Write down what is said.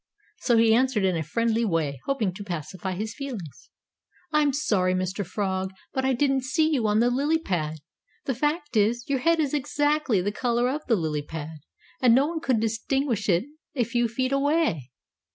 So he answered in a friendly way, hoping to pacify his feelings. "I'm sorry, Mr. Frog, but I didn't see you on the lily pad. The fact is, your head is exactly the color of the lily pad, and no one could distinguish it a few feet away.